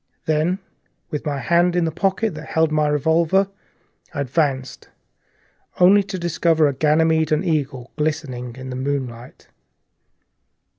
Then, with my hand in the pocket that held the revolver, I advanced, only to discover a Ganymede and Eagle, glistening in the moonlight.